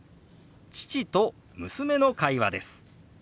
父と娘の会話です。